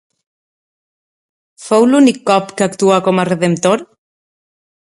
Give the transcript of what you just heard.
Fou l'únic cop que actuà com a redemptor?